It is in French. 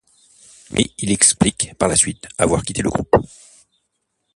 Mais il explique par la suite avoir quitté le groupe.